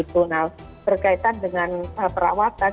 terkaitan dengan perawatan